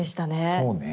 そうね。